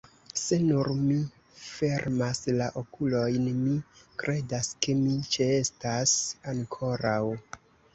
Se nur mi fermas la okulojn, mi kredas, ke mi ĉeestas ankoraŭ.